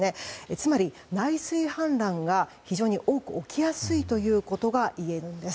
つまり内水氾濫が非常に多く起きやすいということが言えるんです。